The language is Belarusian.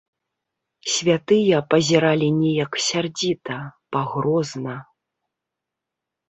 Святыя пазіралі неяк сярдзіта, пагрозна.